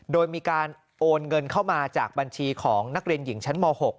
โดยมีการโอนเงินเข้ามาจากบัญชีของนักเรียนหญิงชั้นม๖